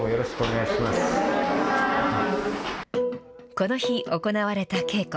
この日行われた稽古。